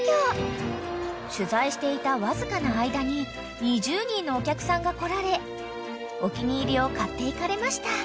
［取材していたわずかな間に２０人のお客さんが来られお気に入りを買っていかれました］